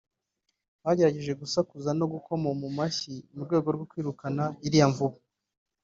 bagerageje gusakuza no gukoma mu mashyi mu rwego rwo kwirukana iriya mvubu